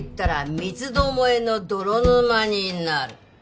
三つどもえの泥沼になる